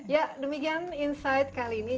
ya demikian insight kali ini